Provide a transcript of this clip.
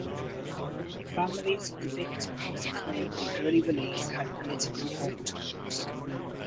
The families of the victims claimed the early release had political overtones.